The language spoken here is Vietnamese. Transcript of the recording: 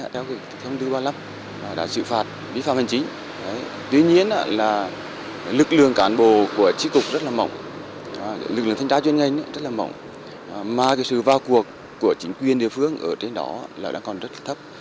thực trạng trên đòi hỏi sự vào cuộc của chính quyền địa phương ở trên đó là đang còn rất thấp